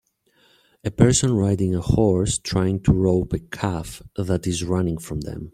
A person riding a horse trying to rope a calf that is running from them.